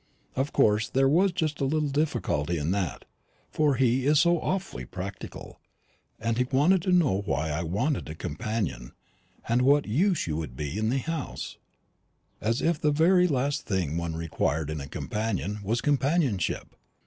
Of course there was just a little difficulty in that, for he is so awfully practical; and he wanted to know why I wanted a companion, and what use you would be in the house; as if the very last thing one required in a companion was companionship.